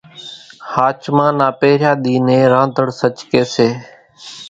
ۿاچمان نا پۿريا ۮي نين رانڌڻِ سچ ڪي سي